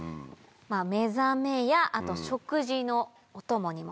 目覚めやあと食事のおともにも。